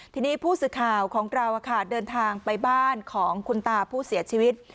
ทีนี้ผู้สื่อข่าวของเราเดินทางไปบ้านของคุณตาผู้เสียชีวิต